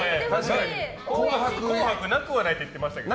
「紅白」なくはないって言ってましたけど。